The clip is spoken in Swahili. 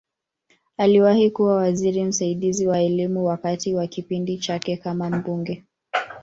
Aliwahi kuwa waziri msaidizi wa Elimu wakati wa kipindi chake kama mbunge.